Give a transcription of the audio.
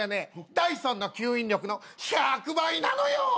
ダイソンの吸引力の１００倍なのよ！